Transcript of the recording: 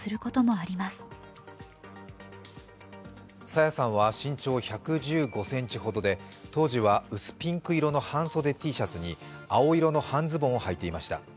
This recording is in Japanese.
朝芽さんは身長１１５ｃｍほどで当時は薄ピンク色の半袖Ｔシャツに青色の半ズボンをはいていました。